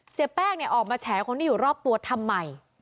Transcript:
เสียแป้งเนี่ยออกมาแฉคนที่อยู่รอบตัวทำไม